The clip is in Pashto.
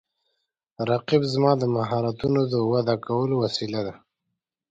رقیب زما د مهارتونو د وده کولو وسیله ده